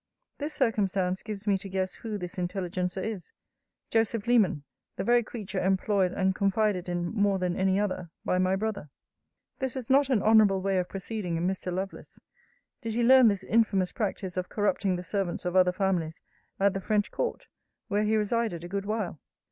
This circumstance gives me to guess who this intelligencer is: Joseph Leman: the very creature employed and confided in, more than any other, by my brother. This is not an honourable way of proceeding in Mr. Lovelace. Did he learn this infamous practice of corrupting the servants of other families at the French court, where he resided a good while?